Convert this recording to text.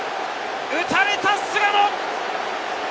打たれた菅野！